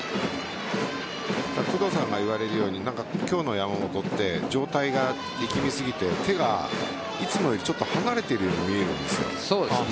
工藤さんが言われるように今日の山本は上体が力みすぎて手がいつもよりちょっと離れているように見えるんです。